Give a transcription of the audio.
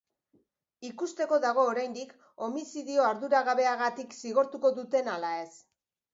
Ikusteko dago, oraindik, homizidio arduragabeagatik zigortuko duten ala ez.